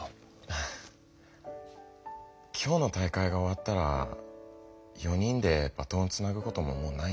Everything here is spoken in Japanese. ハァ今日の大会が終わったら４人でバトンをつなぐことももうないんだよな。